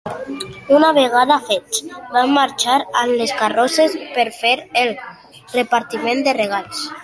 Una vegada fets, van marxar amb les carrosses per fer el repartiment de regals.